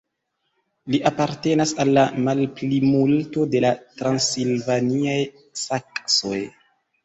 Li apartenas al la malplimulto de la transilvaniaj saksoj.